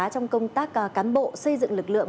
trong công tác cán bộ xây dựng lực lượng